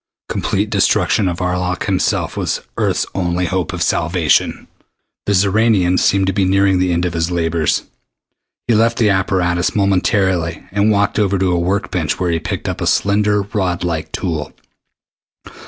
Complete destruction of Arlok himself was Earth's only hope of salvation. The Xoranian seemed to be nearing the end of his labors. He left the apparatus momentarily and walked over to a work bench where he picked up a slender rod like tool.